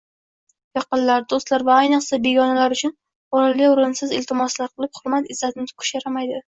Yaqinlar, doʻstlar va ayniqsa begonalar uchun oʻrinli-oʻrinsiz iltimoslar qilib, hurmat-izzatni toʻkish yaramaydi